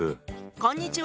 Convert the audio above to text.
こんにちは。